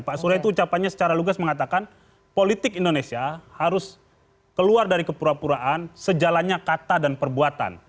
pak surya itu ucapannya secara lugas mengatakan politik indonesia harus keluar dari kepura puraan sejalannya kata dan perbuatan